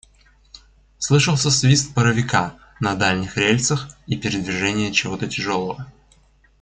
Слышался свист паровика на дальних рельсах и передвижение чего-то тяжелого.